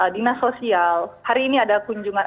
dinas sosial hari ini ada kunjungan